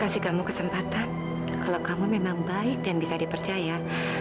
kasih kamu kesempatan kalau kamu memang baik dan bisa dipercaya